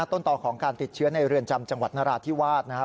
ต้นต่อของการติดเชื้อในเรือนจำจังหวัดนราธิวาสนะครับ